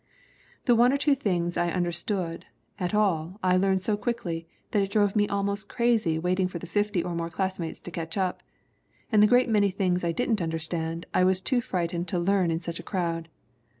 ''The one or two things I understood at all I learned so quickly that it drove me almost crazy waiting for the fifty or more classmates to catch up and the great many things I didn't understand I was too frightened to learn in such a crowd.